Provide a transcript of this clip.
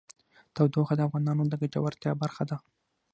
تودوخه د افغانانو د ګټورتیا برخه ده.